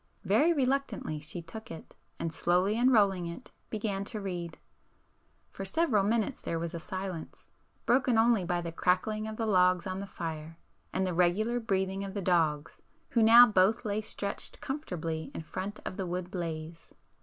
Very reluctantly she took it,—and slowly unrolling it, began to read. For several minutes there was a silence, broken only by the crackling of the logs on the fire, and the regular breathing of the dogs who now both lay stretched comfortably in front of the wood blaze.